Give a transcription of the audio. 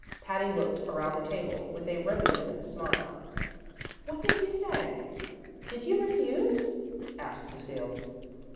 Patty looked around the table with a reminiscent smile. "What did you say? Did you refuse?" asked Lucille.